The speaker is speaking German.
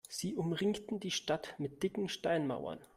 Sie umringten die Stadt mit dicken Steinmauern.